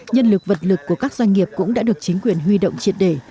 nhân lực vật lực của các doanh nghiệp cũng đã được chính quyền huy động triệt để